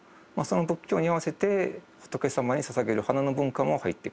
その仏教に合わせて仏様にささげる花の文化も入ってくる。